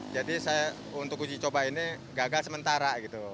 jadi saya untuk uji coba ini gagal sementara gitu